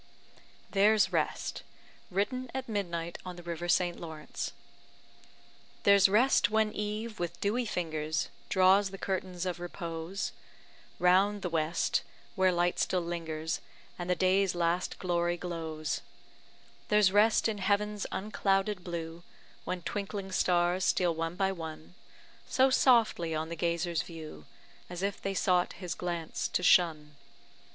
THERE'S REST (Written at midnight on the river St. Lawrence) There's rest when eve, with dewy fingers, Draws the curtains of repose Round the west, where light still lingers, And the day's last glory glows; There's rest in heaven's unclouded blue, When twinkling stars steal one by one, So softly on the gazer's view, As if they sought his glance to shun.